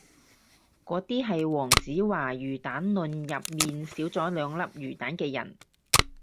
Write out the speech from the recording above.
嗰啲係黃子華魚蛋論入面少咗兩粒魚蛋嘅人